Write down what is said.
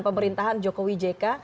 pemerintahan jokowi jk